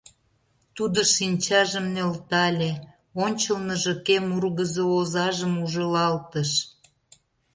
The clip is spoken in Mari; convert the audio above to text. Тудо шинчажым нӧлтале, ончылныжо кем ургызо озажым ужылалтыш.